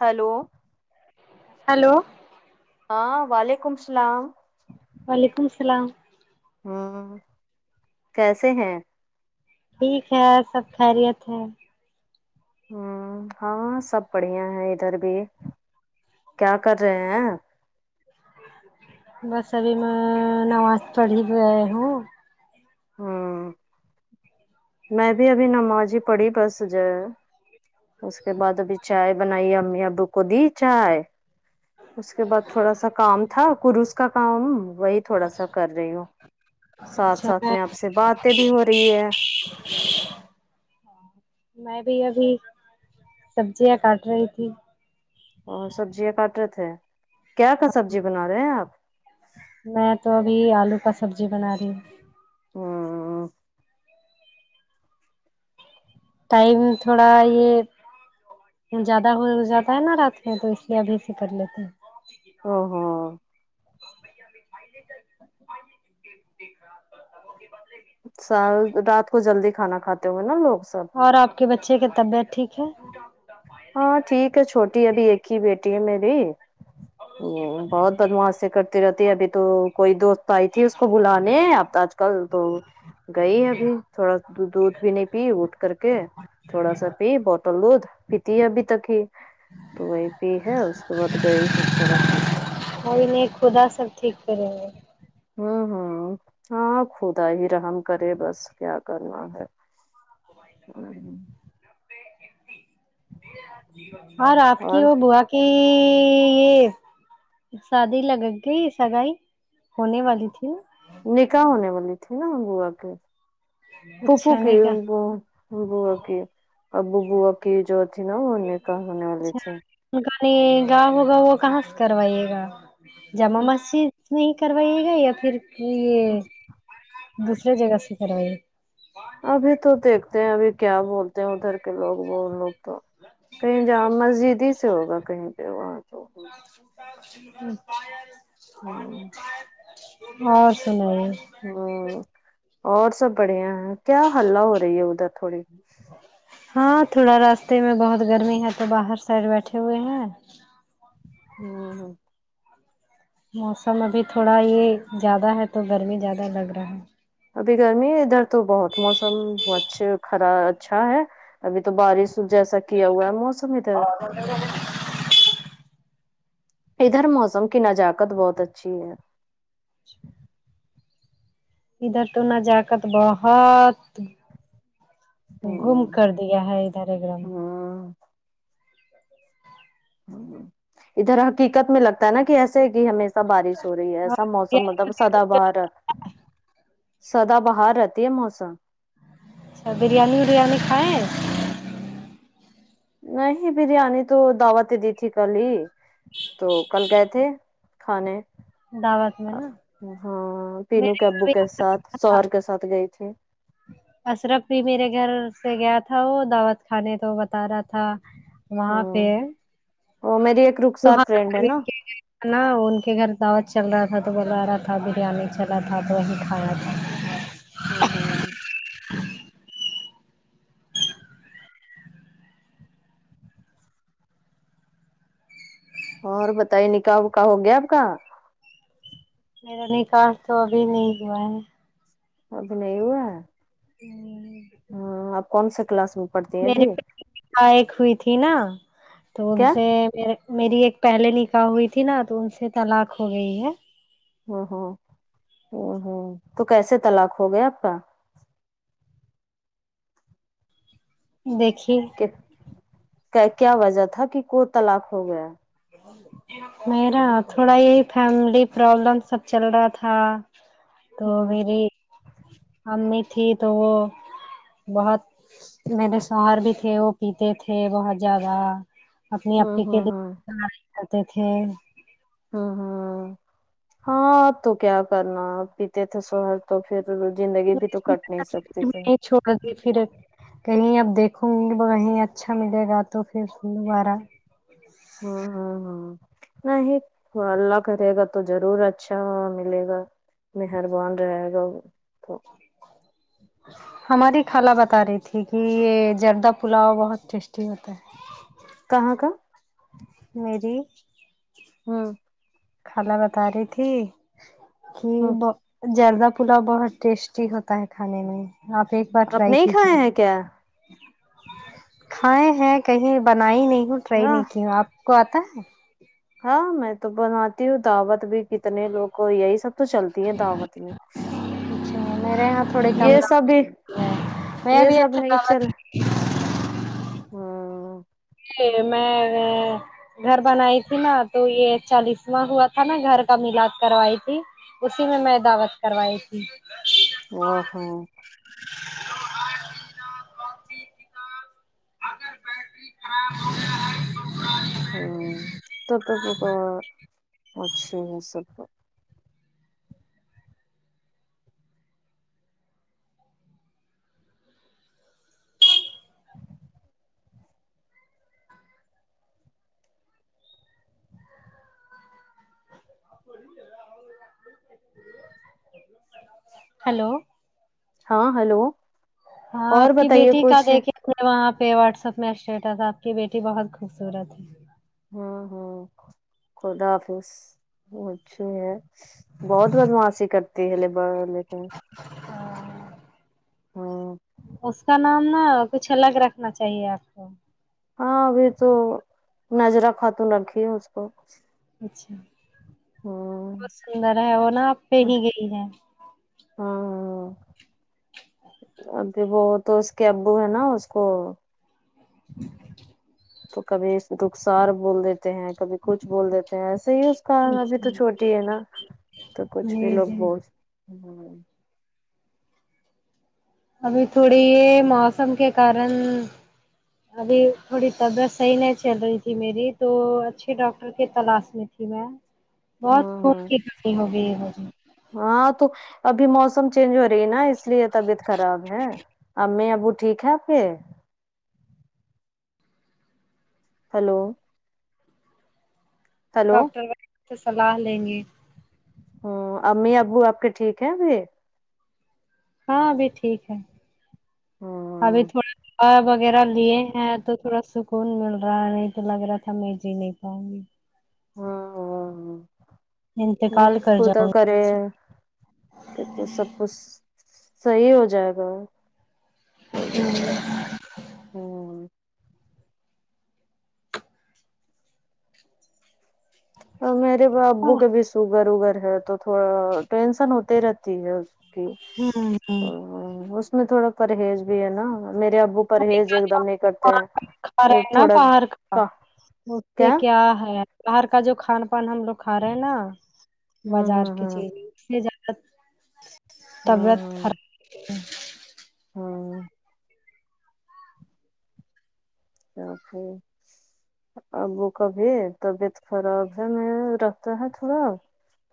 hello hello ہاں وعلیکم السلام وعلیکم السلام ہمم کیسے ہیں ٹھیک ہے سب خیریت ہے ہمم ہاں سب بڑھیا ہے ادھر بھی کیا کر رہے ہیں [unintelligible] بس ابھی میں نماز پڑھ ہی رہی ہوں ہمم میں بھی ابھی نماز ہی پڑھی بس جے اس کے بعد ابھی چائے بنائی امی ابو کو دی چائے اس کے بعد تھوڑا سا کام تھا کورس کا کام وہی تھوڑا سا کر رہی ہوں ساتھ ساتھ میں آپ سے باتیں بھی ہو رہی ہے [inaudible] میں بھی ابھی سبزیاں کاٹ رہی تھی اور سبزیاں کاٹ رہے تھے کیا کا سبزی بنا رہے ہیں آپ میں تو ابھی آلو کا سبزی بنا رہی ہوں ہمم ٹائم تھوڑا یے زیادہ ہو جاتا ہے نا رات میں تو اس لیے ابھی سے کر لیتے ہیں او ہو [unintelligible] سا رات کو جلدی کھانا کھاتے ہوگے نا لوگ سب اور آپ کے بچے کے طبیعت ٹھیک ہے ہاں ٹھیک ہے چھوٹی ابھی ایک ہی بیٹی ہے میری آمم بہت بدماشی کرتی رہتی ہے ابھی تو کوئی دوست آئی تھی اس کو بلانے اب تو آج کل تو گئی ابھی تھوڑا دودھ بھی نہیں پی اٹھ کر کے تھوڑا سا پی بوتل دودھ پیتی ہے ابھی تک ہی تو وہیں پی ہے اس کے بعد گئی ہے تھوڑا سا کوئی نہیں خدا سب ٹھیک کریں گے آمم ہمم ہاں خدا ہی رحم کرے بس کیا کرنا ہے آمم اور آپ کی اور بوا کی یے شادی لگ گئی سگائی ہونے والی تھی نا نکاح ہونے والی تھی نا بوا کے پھپو اچھا کی نہیں کا بوا کی اب بوا کی جو تھی نا وہ نکاح ہونے والی اچھا تھی ان کا نکاح ہوگا وہ کہاں سے کروائیے گا جامع مسجد میں کروائیے گا یا پھر یے دوسرے جگہ سے کروائیے گا ابھی تو دیکھتے ہیں ابھی کیا بولتے ہیں ادھر لوگ وہ لوگ تو کہیں جامع مسجد ہی سے ہوگا کہیں پے وہاں تو ہوں اور سنائیے ہمم اور سب بڑھیا ہیں کیا حالا ہو رہی ہے ادھر تھوڑی ہاں تھوڑا راستے میں بہت گرمی ہے تو باہر سائڈ بیٹھے ہوئے ہیں ہمم موسم ابھی تھوڑا یے زیادہ ہے تو گرمی زیادہ لگ رہا ہے ابھی گرمی ادھر تو بہت موسم اچھے خرا اچھا ہے ابھی تو بارش جیسا کیا ہوا ہے موسم ادھر [inaudible] ادھر موسم کی نجاکت بہت اچھی ہے ادھر تو نزاکت بہت گم ہوں کر دیا ہے ادھر گم ہوں ادھر حقیقت میں لگتا ہے نا کہ ایسا سے کہ ہمیشہ بارش ہو رہی ہے ایسا موسم مطلب سدا بھار سدا باھار رہتی ہے موسم اچھا بریانی وریانی کھائیں نہیں بریانی تو دعوتیں دی تھی کل ہی تو کل گئے تھے کھانے دعوت میں نا ہاں تینو میرے کے یہاں ابو بھی کے ایسا ساتھ کرتا شوہر کے تھا ساتھ گئے تھی اشرف بھی میرے گھر سے گیا تھا وہ دعوت کھانے تو بتا رہا تھا وہاں پہ ہوں وہ میری ایک تو رخسار ہاں فرینڈ ہے نا کھانا ان کے گھر دعوت چل رہا تھا تو بلا رہا تھا بریانی چلا تھا تو وہیں کھانا تھا ہاں ہاں اور بتائیے نکاح وکا ہو گیا آپ کا میرا نکاح تو ابھی نہیں ہوا ہے ابھی نہیں ہوا ہمم، ہاں آپ کون سے کلاس میں پڑھتی ہیں ابھی ائق ہوئی تھی نا تو ان کیا سے میرے میری ایک پہلے نکاح ہوئی تھی نا تو ان سے طلاق ہو گئی ہے امم امم امم امم تو کیسے طلاق ہو گیا آپ کا دیکھیے کیسے کیا وجہ تھا کہ کو طلاق ہو گیا میرا تھوڑا یہی فیملی پرابلم سب چل رہا تھا تو ہوں میری امی تھی تو وہ بہت میرے شوہر بھی تھے وہ پیتے تھے بہت زیادہ اپنی ہوں آپپی کے ہوں بھی ہوں گھر کرتی تھی امم امم تو کیا کرنا پیتے تھے شوہر تو پھر زندگی بھی تو کٹ نہیں سکتی تھی کہی پھر کہیں اب دیکھوں گی کہیں اچھا ملے گا تو پھر دوبارہ امم امم امم نہیں اللہ کرے گا تو ضرور اچھا ملے گا مہربان رہے گا تو ہماری خالہ بتا رہی تھی کہ یہ جردہ پلاؤ بہت ٹیسٹی ہوتا ہے کہاں کا میری ہاں خالہ بتا رہی تھی کہ ہوں زردہ پلاؤ بہت ٹیسٹی ہوتا ہے کھانے میں آپ ایک بار آپ ٹرائی نہیں کھائے کیجیے ہیں کیا کھائے ہیں کہیں بنائی نہیں ہوں ٹرائی ہاں نہیں کی ہوں آپ کو آ تا ہے ہاں میں تو بناتی ہوں دعوت بھی کتنے لوگ کو یہ ہی سب تو چلتی ہے دعوت میں اچھا میرے یہاں تھوڑے کم یہ دعوت سبھی ہے میں یہ بھی سب ایسے نہیں چل دعوت ہاں [unintelligible] میں گھر بنائی تھی نا تو یہ چالیسواں ہوا تھا نا گھر کا علاج کروائی تھی اسی میں میں دعوت کروائی تھی واہ ہو [inaudible] اگر بیٹری خراب ہو ج ہے تو ام تب تو ہو گا اچھا یہ سب ہیلو ہاں ہلو ہاں اور آپ کی بتائیے بیٹی کا کچھ دیکھے میں وہاں پہ واٹسپ میں اسٹیٹس تھا آپ کی بیٹی بہت خوبصورت ہے ہاں ہاں خدا حافظ وہ اچھی ہے بہت بدماشی کرتی ہے لے بڑ لیکن ہاں ہاں اس کا نام نا کچھ الگ رکھنا چاہیے آپ کو ہاں ابھی تو نظیر خاتون رکھی ہے اس کو اچھا ہوں بہت سندر ہے وہ نا آپ پہ ہی گئی ہے ہاں ہاں ہاں ابھی وہ تو اس کے ابو ہے نا اس کو تو کبھی رخسار بول دیتے ہیں کبھی کچھ بول دیتے ہیں ایسے ہی اس کا ابھی تو چھوٹی ہی ہے نا تو کچھ بھی جی لوگ جی بول ابھی تھوڑی یہ موسم کے کارن ابھی تھوڑی طبیعت صحیح نہیں چل رہی تھی میری تو اچھے ڈاکٹر تلاش میں تھی میں بہت خون ہاں کی کمی ہو گئی مجھ ہاں تو ابھی موسم چینج ہو رہی ہے نا اس لیے طبیعت خراب ہے امی ابو ٹھیک ہے آپ کے ہیلو ہلو ڈاکٹر سے صلاح لیں گے ہوں امی ابو آپ کے ٹھیک ہیں ابھی ہاں ابھی ٹھیک ہے ابھی ہاں تھوڑا وغیرہ لیے ہیں تو تھوڑا سکھ خون مل رہا ہے نہیں تو لگ رہا تھا میں جی نہیں پاؤں گی ہاں نہیں انتقال کر خود جاؤں [unintelligible] ہے گی سب کچھ صحیح ہو جائے گا کوئی جگہ ہوں [inaudible] میرے ابو ہوں کے بھی سوگر وگر ہے تو [unintelligible] تھوڑا ٹینسن ہوتے رہتی ہے اس کی ہمم اس میں تھوڑا پرہیز بھی ہے نا میرے ابو پرہیز ایک دم نہیں کرتے کھا ہیں تھوڑا کا یہ کیا ہے باہر کا جو کھان پان ہم لوگ کھا رہے ہیں نا ہوں بازار ہوں کی ہوں چیز طبیعت خراب ہے [inaudible] ہاں تو پھر ابو کا بھی طبیعت خراب ہے میں رکھتا ہے تھوڑا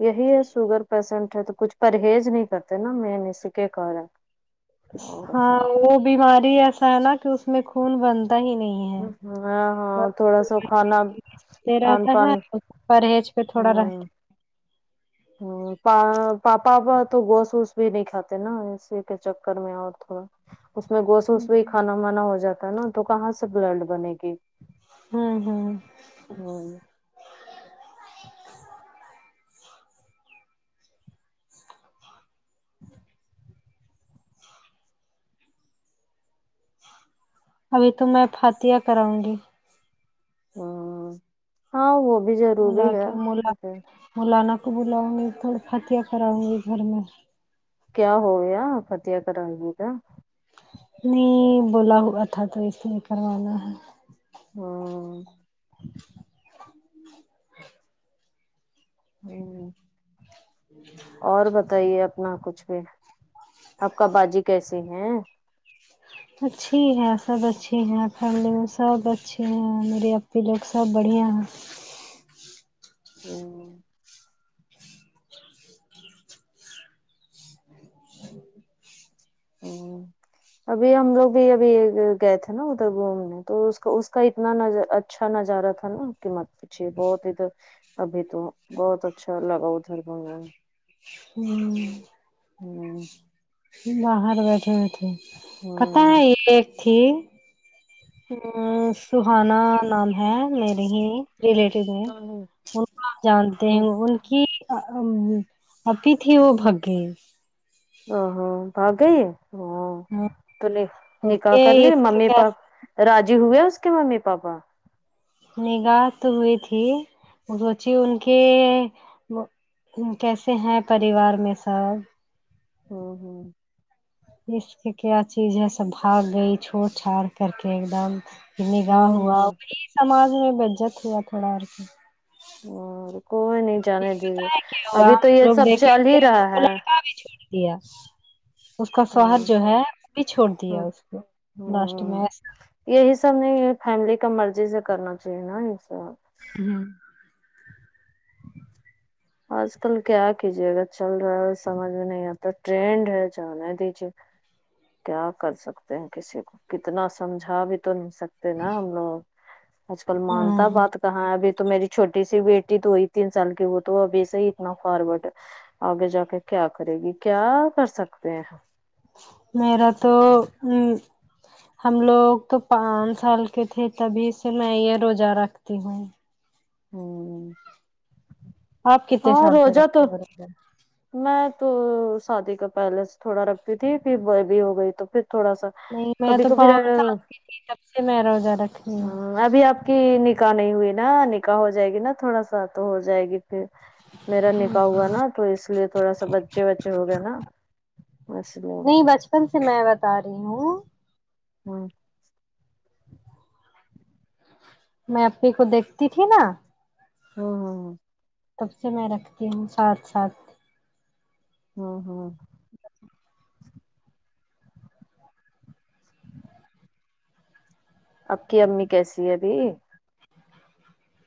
یہی ہے سوگر پیسنٹ ہے تو کچھ پرہیز نہیں کرتے نا مین اسی کے کارن ہاں وہ بیماری ایسا ہے نا کہ اس میں خون بنتا ہی نہیں ہ ہے ہ ہاں تھوڑا سا بس کھانا کھان رہتا ہے پان پرہیز پہ تھوڑا رہتا ہاں پاپا پاپا تو گھوست ووست بھی نہیں کھاتے نا اسی کے چکر میں اور تھوڑا اس میں گوش ہوں ووس بھی کھانا مانا ہو جاتا ہے نا تو کہاں سے بلڈ بنے گی ہوں ہوں ہوں ابھی تو میں فاتحہ کراؤں گی ہ ہاں وہ بھی ضروری ملا ہے کے ملا مولانا کو بلاؤں گی تو فاتحہ کراؤں گی گھر میں کیا ہوگیا فاتحہ کرایں گی کیا نہیں بولا ہوا تھا تو اس لیے کروانا ہے ہاں ہوں ہ [unintelligible] اور بتائیے اپنا کچھ بھی آپ کا باجی کیسے ہیں اچھی ہے سب اچھی ہیں سب اچھے ہیں میرے آپی لوگ سب بڑھیا ہیں ہمم ہمم ابھی ہم لوگ بھی ابھی گئے تھے نا ادھر گھومنے تو اس کا اس کا اتنا نظر اچھا نظارہ تھا نا کہ مت پیچھے بہت ادھر ابھی تو بہت اچھا لگا ادھر گاؤں ہوں ہوں باہر بیٹھے ہوے تھے پتا ہے یہ تھی ہمم سہانہ نام ہے میرے ہی ریلیٹیو میں ہوں ان کو آپ جانتے ہو کہ اآ آپی تھی وہ بھاگی ا وہ ہو بھاگ گئی ہے او تو نکاح کر کے لی اس کے ممی کیا پاپ راضی ہوئے اس کے ممی پاپا نکاح تو ہوئی تھی بچی ان کے کیسے ہیں پریوار میں سب ہ ہوں اس کی کیا چیز ہے سب بھاگ گئی چھوڑ چھاڑ کر کے ایک دم نکاح ہوں ہوا ہوں وہی سماج میں بےعزت ہوا تھوڑا اور کیا اور کو نہیں یہ جانے بت دیجیے ہے کیا ہوا ابھی ہم تو یہ لوگ سب چل دیکھے ہی خود رہا کو ہے لڑکا بھی چھوڑ دیا اس کا شوہر ہوں جو ہے وہ بھی چھوڑ ہوں دیا اس کو لاسٹ ہوں میں یہی سب نہیں فیملی کا مرضی سے کرنا چاہیے نا یہ سب ہمم آج کل کیا کیجے اگر چل رہا ہے سمجھ میں نہیں آتا ٹرینڈ ہے جانا ہے دیجیے کیا کر سکتے ہیں کسی کو کتنا سمجھا بھی تو نہیں سکتے نا ہم لوگ آج کل ہاں مانتا ہاں بات کہاں ہے ابھی تو میری چھوٹی سی بیٹی تو ہوئی تین سال کی وہ تو ابھی سے ہی اتنا فارورڈ ہے تو آگے جا کے کیا کرے گی کیا کر سکتے ہیں میرا تو مم ہم لوگ تو پانچ سال کے تھے تبھی سے میں یہ روزہ رکھتی ہوں ہوں آپ کتنے سال سے رکھتے ہو روزہ میں تو شادی کا پہلےسے تھوڑا رکھتی تھی پھر بے بی ہو گئی تو پھر تھوڑا سا نہیں میں کبھی تو پانچ کبھی سال کی تھی جب سے میں روزہ رکھتی ہ ہوں ابھی آپ کی نکاح نہیں ہوئی نا نکاح ہو جائے گی نا تھوڑا سا تو ہو جائے گی پھر میرا نکاح ہوا نا تو اس اس لیے تھوڑا سا بچے وچے ہو گئے نا اس لیے تم سے میں بتا رہی ہوں ہمم میں آپی کو دیکھتی تھی نا ہوں ہوں ہوں تب سے میں رکھتی ہوں ساتھ ساتھ ہاں ہاں اب کی امی کیسی ہے ابھی